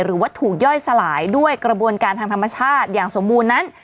หรือว่าถูกย่อยสลายด้วยกระบวนการทางธรรมชาติอย่างสมบูรณ์นั้น